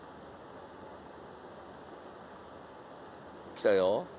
来たよ。